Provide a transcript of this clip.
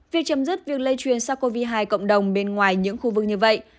việc chấm dứt việc lây truyền sars cov hai cộng đồng bên ngoài những khu vực như vậy